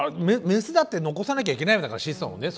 メスだって残さなきゃいけないわけだから子孫をね。